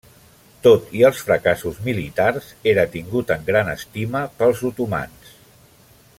Tot i els fracassos militars, era tingut en gran estima pels otomans.